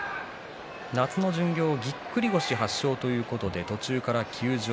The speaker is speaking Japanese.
夏の巡業、ぎっくり腰を発症ということで途中から休場。